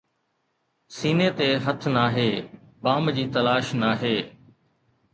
سيني تي هٿ ناهي، بام جي تلاش ناهي